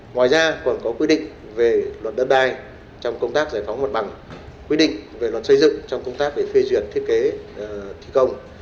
ngoài ra còn có quy định về luật đất đai trong công tác giải phóng mặt bằng quy định về luật xây dựng trong công tác về phê duyệt thiết kế thi công